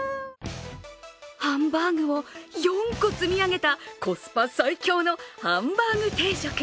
ハンバーグを４個積み上げたコスパ最強のハンバーグ定食。